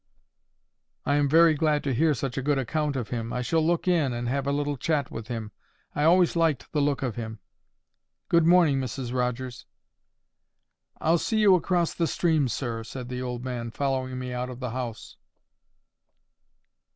"I am very glad to hear such a good account of him. I shall look in, and have a little chat with him. I always liked the look of him. Good morning, Mrs. Rogers." "I'll see you across the stream, sir," said the old man, following me out of the house.